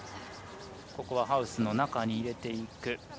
ここはハウスの中に入れていく。